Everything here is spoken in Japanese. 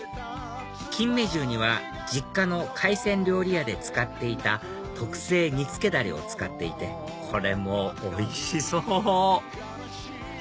金目重には実家の海鮮料理屋で使っていた特製煮付けダレを使っていてこれもおいしそう！